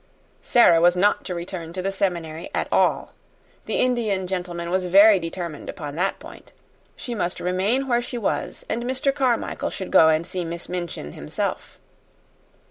Sara was not to return to the seminary at all. The Indian gentleman was very determined upon that point. She must remain where she was, and Mr. Carmichael should go and see Miss Minchin himself.